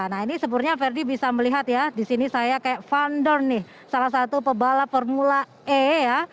nah ini sebetulnya ferdy bisa melihat ya disini saya kayak founder nih salah satu pebalap formula e ya